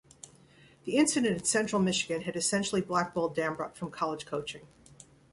The incident at Central Michigan had essentially blackballed Dambrot from college coaching.